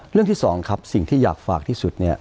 ที่สองครับสิ่งที่อยากฝากที่สุดเนี่ย